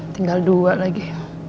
tinggal dua lagi